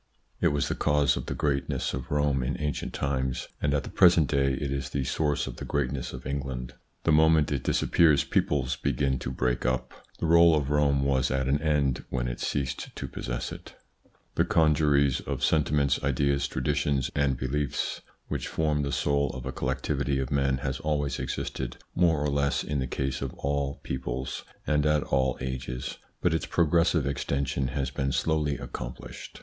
It was the cause of the greatness of Rome in ancient times, and at the present day it is the source of the greatness of England. The moment it disappears, peoples begin to break up, The role of Rome was at an end when it ceased to possess it. The congeries of sentiments, ideas, traditions, and beliefs which form the soul of a collectivity of men has always existed more or less in the case of all peoples and at all ages, but its progressive extension has been slowly accomplished.